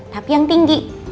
tapi yang tinggi